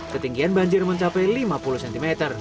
ketinggian banjir mencapai lima puluh cm